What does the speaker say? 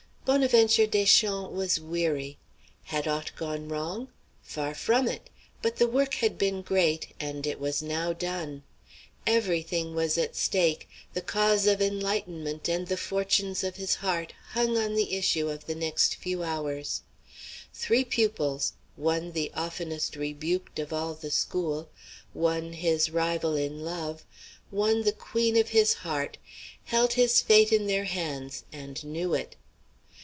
Bonaventure Deschamps was weary. Had aught gone wrong? Far from it. But the work had been great, and it was now done. Every thing was at stake: the cause of enlightenment and the fortunes of his heart hung on the issue of the next few hours. Three pupils, one the oftenest rebuked of all the school, one his rival in love, one the queen of his heart, held his fate in their hands and knew it.